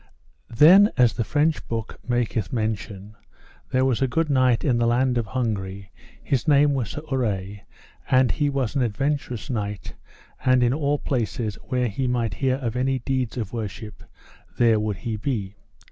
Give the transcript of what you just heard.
Then as the French book maketh mention, there was a good knight in the land of Hungary, his name was Sir Urre, and he was an adventurous knight, and in all places where he might hear of any deeds of worship there would he be.